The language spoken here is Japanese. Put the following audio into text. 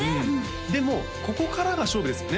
でもここからが勝負ですよね？